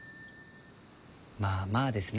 まあまあですね。